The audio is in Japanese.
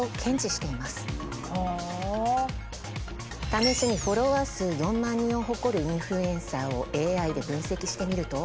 試しにフォロワー数４万人を誇るインフルエンサーをＡＩで分析してみると。